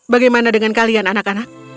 bagaimana dengan kalian anak anak